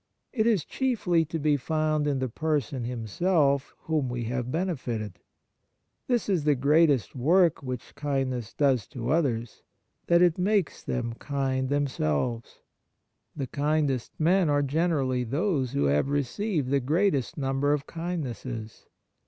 It is chiefly to be found in the person himself whom we have benefited. This is the greatest work which kindness does to others — that it makes them kind themselves. The kindest men are generally those who have received the greatest number of kindnesses.